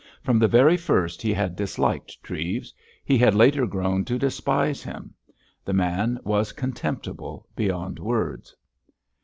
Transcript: From the very first he had disliked Treves; he had later grown to despise him. The man was contemptible beyond words.